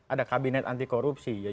ada kabinet anti korupsi